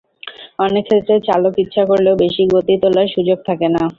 অনেক ক্ষেত্রে চালক ইচ্ছে করলেও বেশি গতি তোলার সুযোগ থাকে না।